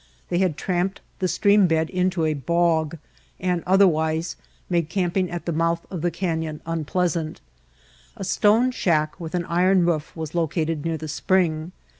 They had tramped the stream bed into a bog and otherwise made camping at the mouth of the canyon unpleasant. A stone shack with an iron roof was located near the spring.